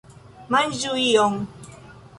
Manĝu ion!